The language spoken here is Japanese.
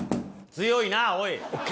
強いなぁおい。